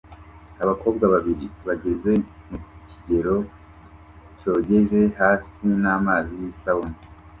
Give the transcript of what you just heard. Abakobwa babiri bageze mu kigero cyogeje hasi n'amazi yisabune